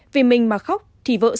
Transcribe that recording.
vì mình mà khóc thì vợ sắp đẻ